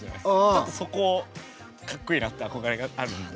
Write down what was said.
ちょっとそこかっこいいなって憧れがあるんで。